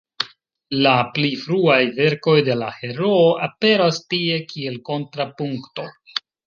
La pli fruaj verkoj de la heroo aperas tie kiel kontrapunkto.